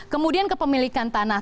kemudian kepemilikan tanah